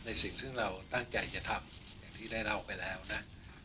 ในสิ่งที่เราตั้งใจจะทำที่ได้เราไปแล้วนะ